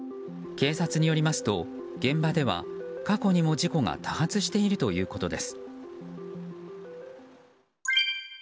警察によりますと現場では過去にも事故が多発しているということです。